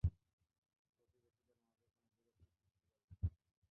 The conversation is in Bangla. প্রতিবেশীদের মাঝে কোনো বিরক্তি সৃষ্টি করবে না।